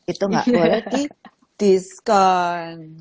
itu gak boleh di diskon